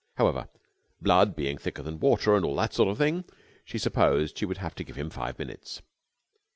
However, blood being thicker than water, and all that sort of thing, she supposed she would have to give him five minutes.